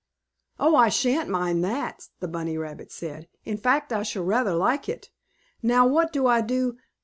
"Oh, I shan't mind that," the bunny rabbit said. "In fact, I shall rather like it. Now, what do I do